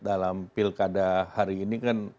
dalam pilkada hari ini kan